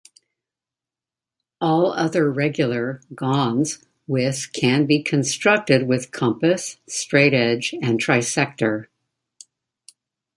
All other regular -gons with can be constructed with compass, straightedge and trisector.